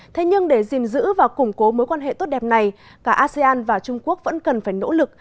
thế nhưng để gìn giữ và củng cố mối quan hệ tốt đẹp này cả asean và trung quốc vẫn cần phải nỗ lực